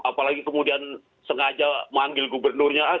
apalagi kemudian sengaja manggil gubernurnya